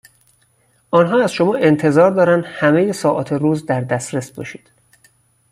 آنها از شما انتظار دارند همهی ساعات روز در دسترس باشید.